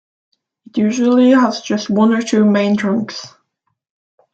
It usually has just one or two main trunks.